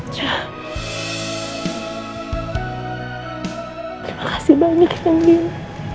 terima kasih banyak nandina